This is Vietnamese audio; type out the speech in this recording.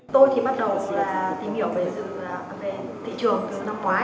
tôi thì bắt đầu tìm hiểu về thị trường năm ngoái